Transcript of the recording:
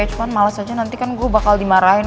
cuman males aja nanti kan gue bakal dimarahin